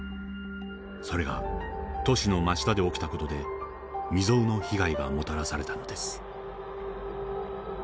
それが都市の真下で起きた事で未曽有の被害がもたらされたのです。